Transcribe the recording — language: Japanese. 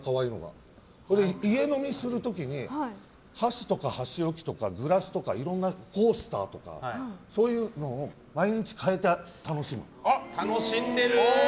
それで家飲みする時に箸とか箸置きとかグラスとかコースターとかそういうのを毎日替えて楽しむ。